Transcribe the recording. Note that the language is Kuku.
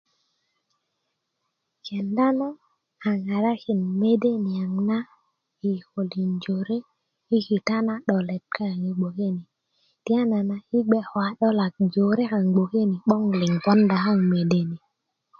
kenda na a ŋarakin mede niaŋ na yi kikolin jore yi kita na 'dolet kaŋ gboke ni tiyana yi bge ko ka'dolak jore kaŋ gboke 'boŋ poonda ƙaŋ mede ni